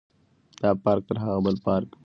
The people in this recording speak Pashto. دا پارک تر هغه بل پارک ډېر ارامه ښکاري.